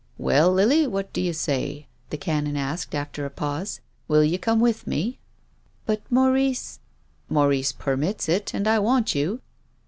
" Well, Lily, what do you say ?" the Canon asked, after a pause. " Will you come with me?" " But Maurice—" " Maurice permits it, and I want you."